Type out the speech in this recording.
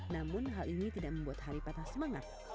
namun hal ini tidak membuat hari patah semangat